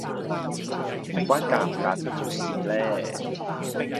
邊關嫁唔嫁得出事呢